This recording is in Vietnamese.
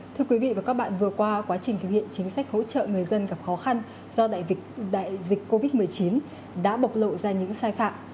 thưa quý vị và các bạn vừa qua quá trình thực hiện chính sách hỗ trợ người dân gặp khó khăn do đại dịch covid một mươi chín đã bộc lộ ra những sai phạm